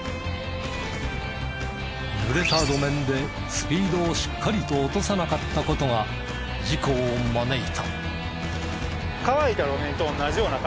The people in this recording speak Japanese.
ぬれた路面でスピードをしっかりと落とさなかった事が事故を招いた。